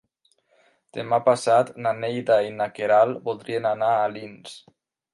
Demà passat na Neida i na Queralt voldrien anar a Alins.